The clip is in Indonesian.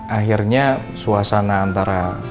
akhirnya suasana antara